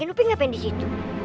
ini uping apa yang disitu